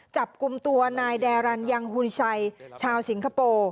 จับกลุ่มตัวนายแดรันยังฮุนชัยชาวสิงคโปร์